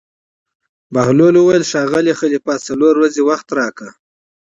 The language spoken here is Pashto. بهلول وویل: ښاغلی خلیفه څلور ورځې وخت راکړه.